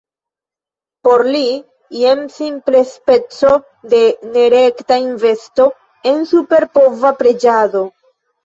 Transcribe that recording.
Por li, jen simple speco de nerekta investo en superpova preĝado.